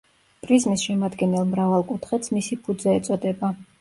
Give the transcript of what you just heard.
პრიზმის შემადგენელ მრავალკუთხედს მისი ფუძე ეწოდება.